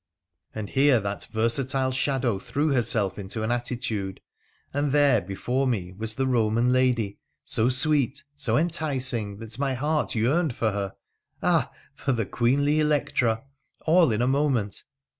And here that 90 WONDERFUL ADVENTURES OP versatile shadow threw herself into an attitude, and there before nae was the Eoman lady, so sweet, so enticing, that my heart yearned for her — ah ! for the queenly Electra !— all in a moment.